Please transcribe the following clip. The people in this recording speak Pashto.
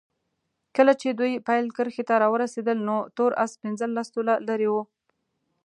کله چې دوی پیل کرښې ته راورسېدل نو تور اس پنځلس طوله لرې وو.